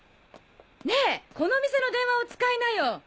ねぇこの店の電話を使いなよ。